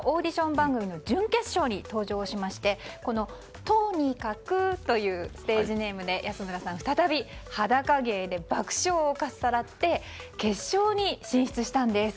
番組の準決勝に登場しましてＴＯＮＩＫＡＫＵというステージネームで安村さん、再び裸芸で爆笑をかっさらって決勝に進出したんです。